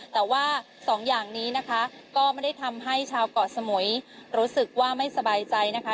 แต่ว่าสองอย่างนี้นะคะก็ไม่ได้ทำให้ชาวเกาะสมุยรู้สึกว่าไม่สบายใจนะคะ